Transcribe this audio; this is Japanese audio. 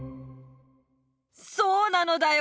そうなのだよ